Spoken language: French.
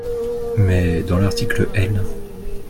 Mais dans l’article L.